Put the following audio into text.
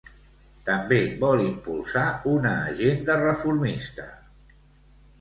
També vol impulsar una agenda reformista.